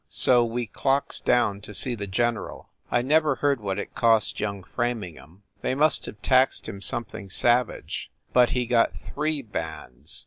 So we clocks down to see the general. I never heard what it cost young Framingham. They must have taxed him something savage, but he got three bands.